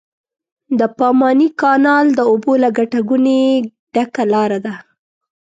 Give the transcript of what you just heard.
د پاماني کانال د اوبو له ګټه ګونې ډکه لاره ده.